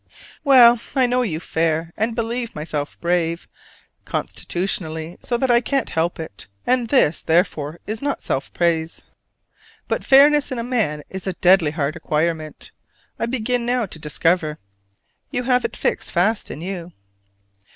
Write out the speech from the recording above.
Well, I know you fair, and believe myself brave constitutionally, so that I can't help it: and this, therefore, is not self praise. But fairness in a man is a deadly hard acquirement, I begin now to discover. You have it fixed fast in you.